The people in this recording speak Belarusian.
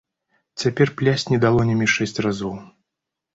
Цяпер плясні далонямі шэсць разоў.